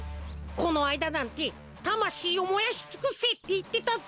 このあいだなんて「たましいをもやしつくせ！」っていってたぜ。